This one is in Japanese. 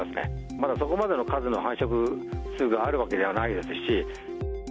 まだそこまでの数の繁殖数があるわけじゃないですし。